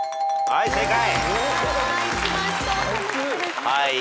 はい正解。